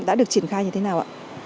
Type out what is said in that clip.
đã được triển khai như thế nào ạ